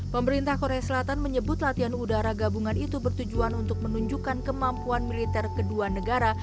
pemerintah korea selatan menyebut latihan udara gabungan itu bertujuan untuk menunjukkan kemampuan militer kedua negara